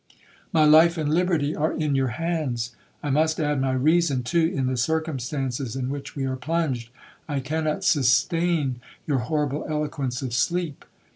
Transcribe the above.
My life and liberty are in your hands,—I must add my reason, too, in the circumstances in which we are plunged,—I cannot sustain your horrible eloquence of sleep.